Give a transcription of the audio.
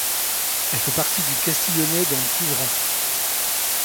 Elle fait partie du Castillonnais dans le Couserans.